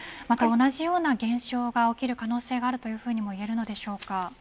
また同じような現象が起きる可能性があると言えますか。